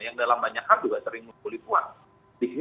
yang dalam banyak hal juga sering membuli puan